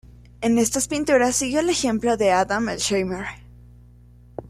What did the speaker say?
En estas pinturas, siguió el ejemplo de Adam Elsheimer.